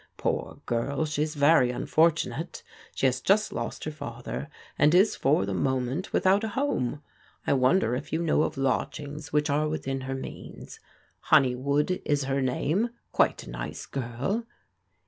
Pbor girl, she is very unfortunate ; she has just lost her father, and is for the moment without a home. I wonder if you know of lodgings which are within her means? Honey wood is her name — quite a nice girl."